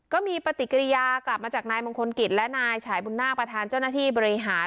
ก็มีปฏิกิริยากลับมาจากนายมงคลกิจและนายฉายบุญนาคประธานเจ้าหน้าที่บริหาร